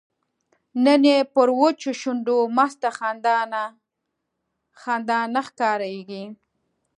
نن یې پر وچو شونډو مسته خندا نه ښکاریږي